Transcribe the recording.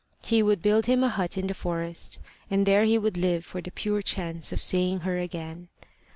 He would build him a hut in the forest, and there he would live for the pure chance of seeing her again.